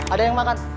ada yang makan